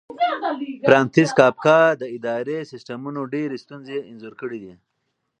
فرانتس کافکا د اداري سیسټمونو ډېرې ستونزې انځور کړې دي.